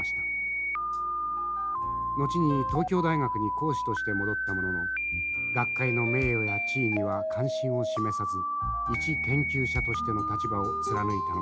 後に東京大学に講師として戻ったものの学会の名誉や地位には関心を示さず一研究者としての立場を貫いたのです。